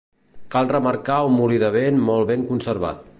Cal remarcar un molí de vent molt ben conservat.